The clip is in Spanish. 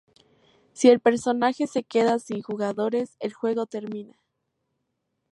Sí el personaje se queda sin jugadores, el juego termina.